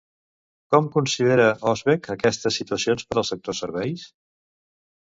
Com considera Hosbec aquestes situacions per al sector serveis?